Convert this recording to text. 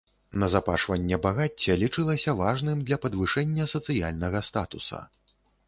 Назапашванне багацця лічылася важным для падвышэння сацыяльнага статуса.